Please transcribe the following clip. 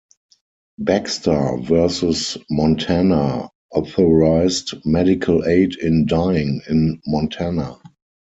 Baxter versus Montana authorized medical aid in dying in Montana.